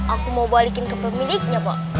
aku mau balikin ke pemiliknya pak